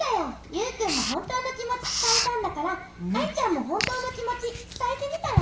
ユウくんもほんとうのきもちつたえたんだからアイちゃんもほんとうのきもちつたえてみたら？